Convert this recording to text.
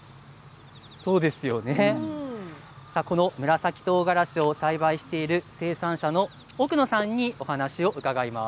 紫とうがらしを栽培している生産者の奥野さんにお話を伺います。